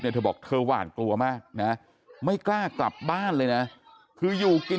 เธอบอกเธอหวาดกลัวมากนะไม่กล้ากลับบ้านเลยนะคืออยู่กิน